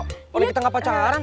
walaupun kita gak pacaran